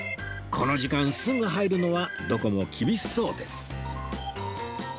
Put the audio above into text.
この時間すぐ入るのはどこも厳しそうです